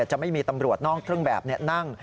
จะไม่มีตำรวจนอกเครื่องแบบนั่ง